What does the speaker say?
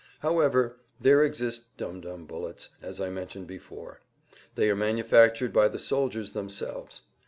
However, there exist dum dum bullets, as I mentioned before. They are manufactured by the soldiers themselves.